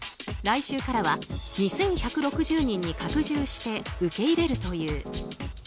来週からは２１６０人に拡充して受け入れるという。